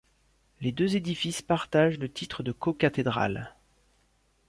Les deux édifices partagent le titre de co-cathédrale.